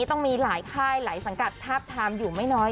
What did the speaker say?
ต้องมีหลายค่ายหลายสังกัดทาบทามอยู่ไม่น้อย